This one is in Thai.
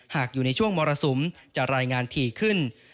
อยู่ในช่วงมรสุมจะรายงานถี่ขึ้น